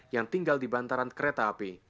yang tinggal di bantaran kereta api